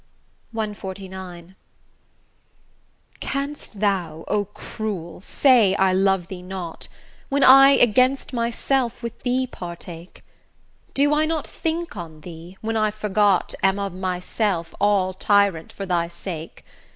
CXLIX Canst thou, O cruel! say I love thee not, When I against myself with thee partake? Do I not think on thee, when I forgot Am of my self, all tyrant, for thy sake?